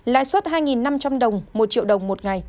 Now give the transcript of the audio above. lãi suất hai năm trăm linh đồng một triệu đồng một triệu đồng